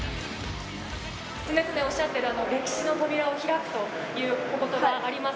常々おっしゃってる、歴史の扉を開くというおことばあります。